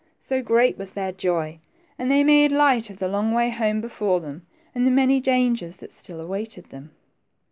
so great was their joy ; and they made light of the long way home before them, and the many dangers that still awaited them.